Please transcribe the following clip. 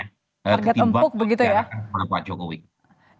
target empuk begitu ya